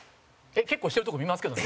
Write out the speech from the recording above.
結構してるとこ見ますけどね。